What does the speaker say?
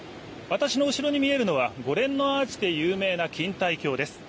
私の後ろに見えるのは５連のアーチで有名な錦帯橋です。